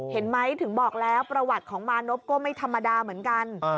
เห็นไหมถึงบอกแล้วประวัติของมานพก็ไม่ธรรมดาเหมือนกัน